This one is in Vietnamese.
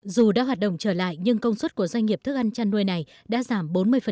dù đã hoạt động trở lại nhưng công suất của doanh nghiệp thức ăn chăn nuôi này đã giảm bốn mươi